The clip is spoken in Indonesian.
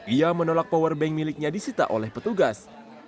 ia menolak powerbank miliknya disita oleh petugas